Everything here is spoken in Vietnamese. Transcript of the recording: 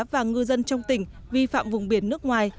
và ngư dân trong tỉnh vi phạm vùng biển nước ngoài